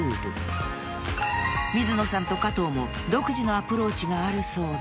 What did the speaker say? ［水野さんと加藤も独自のアプローチがあるそうで］